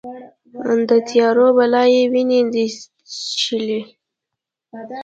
د تیارو بلا یې وینې دي چیښلې